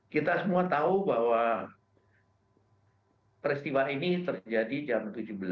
kita semua tahu bahwa peristiwa ini terjadi jam tujuh belas